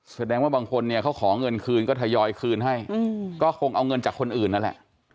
แสดงว่าบางคนเนี่ยเขาขอเงินคืนก็ทยอยคืนให้ก็คงเอาเงินจากคนอื่นนั่นแหละ